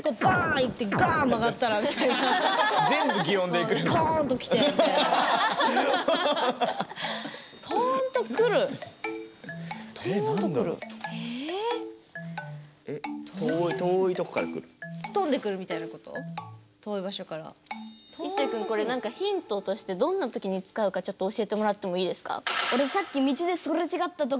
いっせい君これ何かヒントとしてどんな時に使うかちょっと教えてもらってもいいですか？